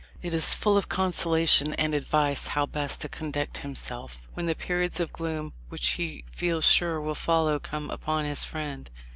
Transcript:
It is full of consolation and advice how best to conduct himself when the periods of gloom which he feels sure will follow come upon his friend.